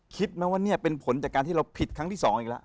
คิดไหมว่าเนี่ยเป็นผลจากการที่เราผิดครั้งที่๒อีกแล้ว